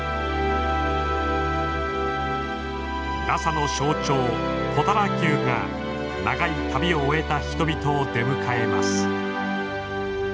ラサの象徴ポタラ宮が長い旅を終えた人々を出迎えます。